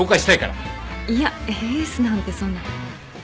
いやエースなんてそんな。